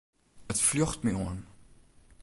It fljocht my oan.